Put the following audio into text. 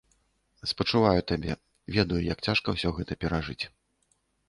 Спачуваю табе, ведаю, як цяжка ўсё гэта перажыць.